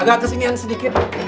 agak kesinian sedikit